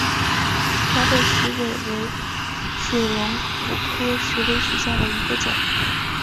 华北石韦为水龙骨科石韦属下的一个种。